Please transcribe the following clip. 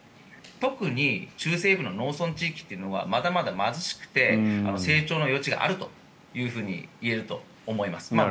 特に中西部の農村地域というのはまだまだ貧しくて成長の余地があるというふうに言えると思います。